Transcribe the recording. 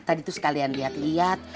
tadi itu sekalian lihat lihat